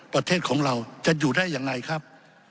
ประเทศของเราจะอยู่ได้ยังไงครับ